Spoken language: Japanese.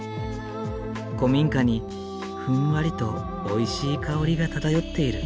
古民家にふんわりとおいしい香りが漂っている。